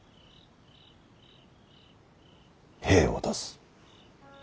兵を出す。